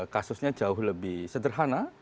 kasusnya jauh lebih sederhana